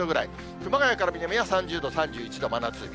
熊谷から南は３０度、３１度、真夏日。